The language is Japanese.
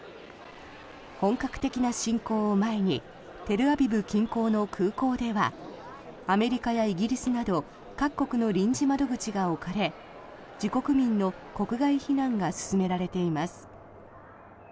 本格的な侵攻を前にテルアビブ近郊の空港ではアメリカやイギリスなど各国の臨時窓口が置かれ自国民の国外避難が進められています。